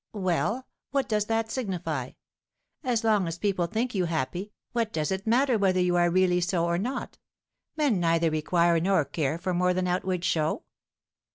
"Well, what does that signify? As long as people think you happy, what does it matter whether you are really so or not? Men neither require nor care for more than outward show."